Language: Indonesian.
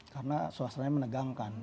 karena suasananya menegangkan